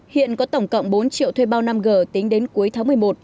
hiện có tổng cộng bốn triệu thuê bao năm g tính đến cuối tháng một mươi một